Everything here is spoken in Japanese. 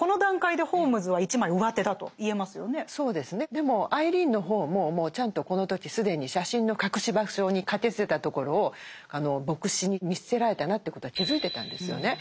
でもアイリーンの方ももうちゃんとこの時既に写真の隠し場所に駆けつけたところを牧師に見つけられたなということは気付いてたんですよね。